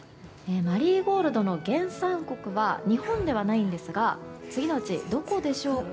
マリーゴールドの原産国は日本ではないんですが次のうち、どこでしょうか。